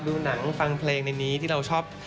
ดูหนังฟังเพลงในนี้ที่เราชอบ